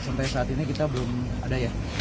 sampai saat ini kita belum ada ya